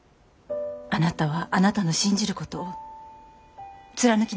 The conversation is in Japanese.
あなたはあなたの信じることを貫きなさい。